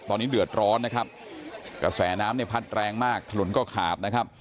ตอนนี้เดือดร้อนนะครับกระแสน้ำเนี่ยพัดแรงมากถนนก็ขาดนะครับ